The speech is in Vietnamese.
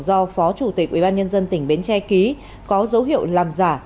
do phó chủ tịch ubnd tỉnh bến tre ký có dấu hiệu làm giả